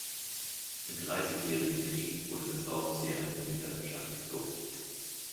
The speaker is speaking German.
Im Dreißigjährigen Krieg wurde das Dorf sehr in Mitleidenschaft gezogen.